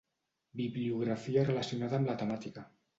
Bibliografia relacionada amb la temàtica.